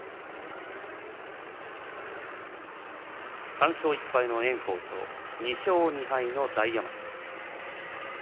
３勝１敗の炎鵬と２勝２敗の大奄美です。